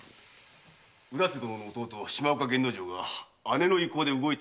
浦瀬殿の弟・島岡源之丞が姉の意向で動いている節がございます。